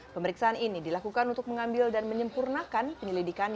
pemeriksaan ini dilakukan untuk mengambil dan menyempurnakan penyelidikan